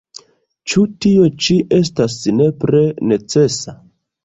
Ĉu tio ĉi estas nepre necesa?